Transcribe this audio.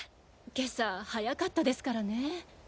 今朝早かったですからね。